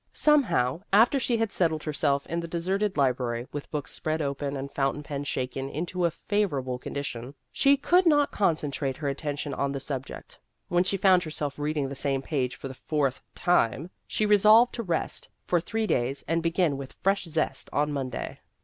Somehow, after she had settled herself in the deserted library, with books spread open and fountain pen shaken into a favor able condition, she could not concentrate 144 Vassar Studies her attention on the subject. When she found herself reading the same page for the fourth time, she resolved to rest for three days and begin with fresh zest on Monday.